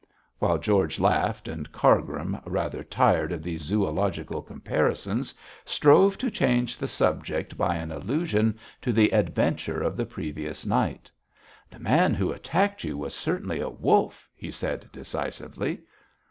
While George laughed, Cargrim, rather tired of these zoological comparisons, strove to change the subject by an allusion to the adventure of the previous night. 'The man who attacked you was certainly a wolf,' he said decisively.